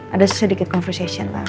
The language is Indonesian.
ada sedikit conversation lah